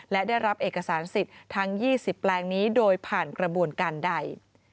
และได้รับเอกสารสิทธิ์ทั้ง๒๐แปลงนี้โดยผ่านกระบวนการใด